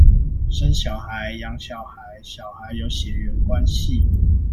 生小孩、養小孩、小孩有血緣關係